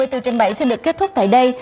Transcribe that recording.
thì được kết thúc tại đây